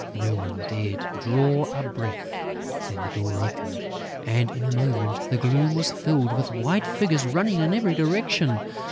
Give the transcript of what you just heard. No one dared draw a breath. Then the door opened; and, in a moment, the gloom was filled with white figures running in every direction.